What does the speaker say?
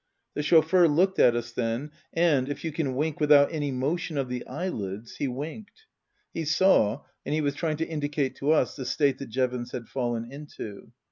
The chauffeur looked at us then, and, if you can wink without any motion of the eyelids, he winked. He saw, and he was trying to indicate to us, the state that Jevons had fallen into.